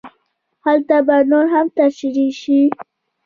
هلته به نور هم تشرېح شي.